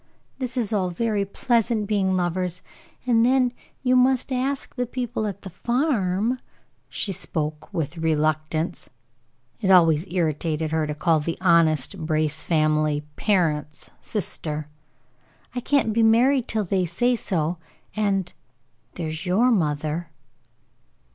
This is all very pleasant, being lovers; and then you must ask the people at the farm." She spoke with reluctance. It always irritated her to call the honest Brace family "parents, sister." "I can't be married till they say so. And there's your mother."